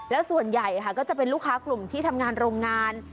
แล้วส่วนใหญ่ค่ะก็จะเป็นลูกค้ากลุ่มที่ทำงานโรงงาน